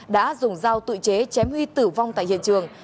đã dùng dao tự chế chém huy tử vong tại hiện trường